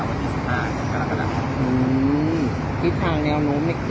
เดี๋ยวจำก็เคยไปจำไม่เป็นไรไม่นานหรอก